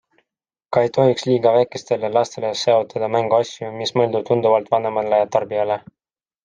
Ka ei tohiks liiga väikestele lastele soetada mänguasju, mis mõeldud tunduvalt vanemale tarbijale.